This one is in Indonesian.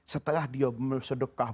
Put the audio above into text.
setelah dia sedekah